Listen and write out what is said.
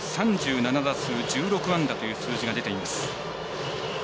３７打数１６安打という数字が出ています。